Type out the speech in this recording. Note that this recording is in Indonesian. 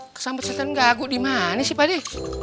kesambet setan gagu di mana sih pak di